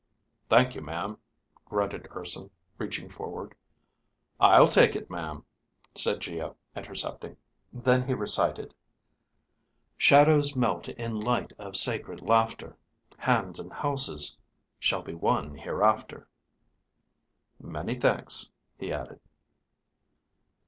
"Thank you, ma'am," grunted Urson, reaching forward. "I'll take it, ma'am," said Geo, intercepting. Then he recited: "Shadows melt in light of sacred laughter. Hands and houses shall be one hereafter. "Many thanks," he added.